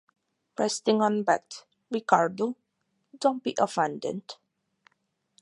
Resting on bed. Ricardo, don't be offended.